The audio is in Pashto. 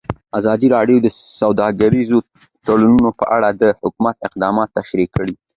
ازادي راډیو د سوداګریز تړونونه په اړه د حکومت اقدامات تشریح کړي.